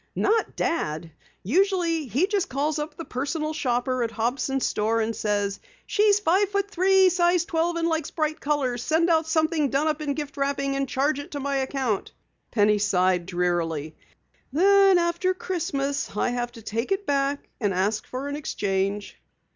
"Not Dad. Usually he just calls up the Personal Shopper at Hobson's store and says: 'She's five feet three, size twelve and likes bright colors. Send out something done up in gift wrapping and charge to my account.'" Penny sighed drearily. "Then after Christmas I have to take it back and ask for an exchange."